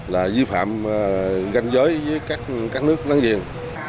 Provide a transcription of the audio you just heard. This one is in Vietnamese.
là vi phạm ganh giới với các nước láng giềng